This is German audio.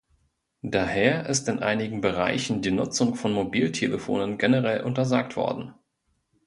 Daher ist in einigen Bereichen die Nutzung von Mobiltelefonen generell untersagt worden.